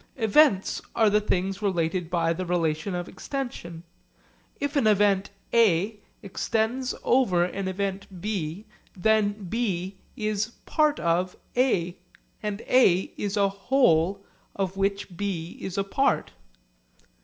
Events are the things related by the relation of extension. If an event A extends over an event B, then B is 'part of' A, and A is a 'whole' of which B is a part.